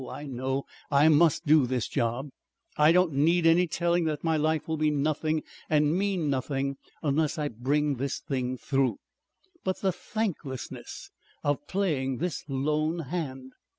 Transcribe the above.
I know!.... I must do this job. I don't need any telling that my life will be nothing and mean nothing unless I bring this thing through.... "But the thanklessness of playing this lone hand!"